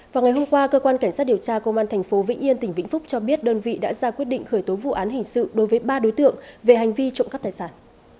vào ngày hôm qua cơ quan cảnh sát điều tra công an tp vĩnh yên tỉnh vĩnh phúc cho biết đơn vị đã ra quyết định khởi tố vụ án hình sự đối với ba đối tượng về hành vi trộm cắp tài sản